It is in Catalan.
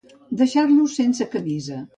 Deixar-lo sense camisa.